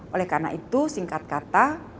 oleh karena itu singkat kata